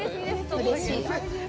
うれしい。